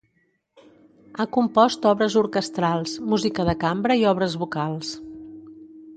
Ha compost obres orquestrals, música de cambra i obres vocals.